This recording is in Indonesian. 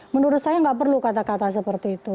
menurut saya nggak perlu kata kata seperti itu